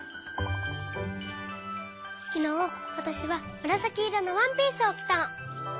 きのうわたしはむらさきいろのワンピースをきたの。